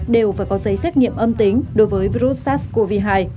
đều phải có giấy xét nghiệm âm tính đối với virus sars cov hai